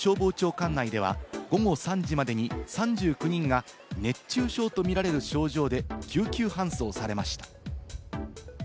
管内では午後３時までに３９人が熱中症とみられる症状で救急搬送されました。